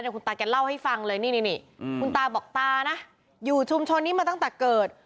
เดี๋ยวคุณตาแกล้วให้ฟังเลยนี่นี่นี่อืมคุณตาบอกตานะอยู่ชุมชนนี้มาตั้งแต่เกิด